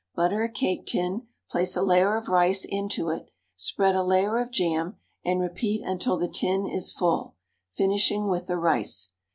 Butter a cake tin, place a layer of rice into it, spread a layer of jam, and repeat until the tin is full, finishing with the rice.